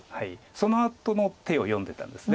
そのあとの手を読んでたんです。